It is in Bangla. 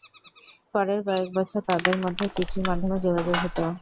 পরের কয়েক বছর তাদের মধ্যে চিঠির মাধ্যমে যোগাযোগ হত।